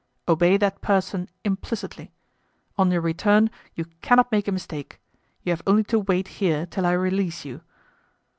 Obey that person implicitly. On your return you cannot make a mistake. You have only to wait here till I release you."